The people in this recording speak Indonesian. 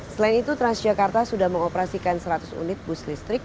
selain itu transjakarta sudah mengoperasikan seratus unit bus listrik